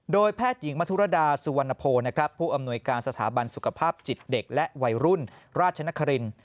โดยแพทย์หญิงมธุรดาสุวรรณโพผู้อำนวยการสถาบันสุขภาพจิตเด็กและวัยรุ่นราชนคริน